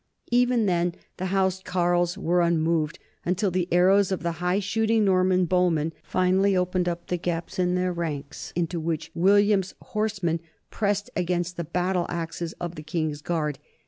Even then the housecarles were unmoved, until the arrows of the high shooting Norman bowmen fin ally opened up the gaps in their ranks into which Wil liam's horsemen pressed against the battle axes of the king's guard.